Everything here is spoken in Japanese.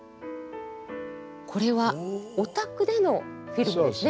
これはお宅でのフィルムですね。